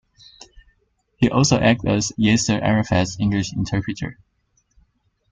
He also acted as Yasser Arafat's English interpreter.